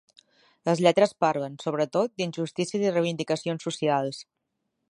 Les lletres parlen, sobretot, d'injustícies i reivindicacions socials.